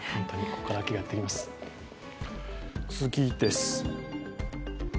ここから秋がやってきます。